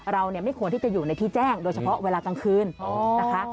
เราไม่ควรที่จะอยู่ในที่แจ้งโดยเฉพาะเวลากลางคืนนะคะ